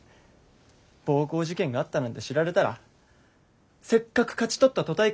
暴行事件があったなんて知られたらせっかく勝ち取った都大会